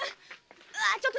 あちょっと！